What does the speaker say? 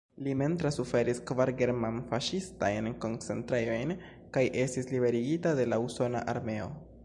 Li mem trasuferis kvar german-faŝistajn koncentrejojn kaj estis liberigita de la usona armeo.